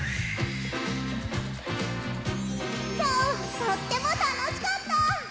きょうはとってもたのしかった！